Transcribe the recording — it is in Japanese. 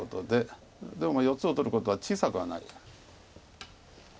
でも４つを取ることは小さくはない。